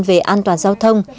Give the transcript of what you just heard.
về an toàn giao thông